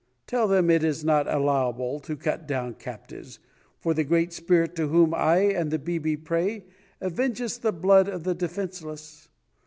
Tell them it is not allowable to cut down captives, for the Great Spirit to whom I and the 'bibi' pray avenges the blood of the defenseless.